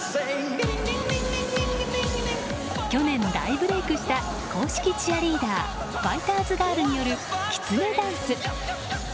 去年大ブレークした公式チアリーダーファイターズガールによるきつねダンス。